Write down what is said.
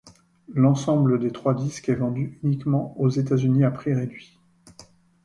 L'ensemble des trois disques est vendu uniquement aux États-Unis à prix réduit.